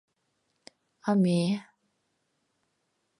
А ме...